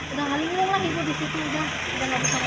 udah hal ini lah ibu disitu udah gak bisa ngomong apa apa